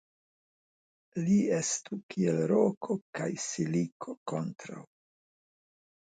Li estu kiel roko kaj siliko kontraŭ .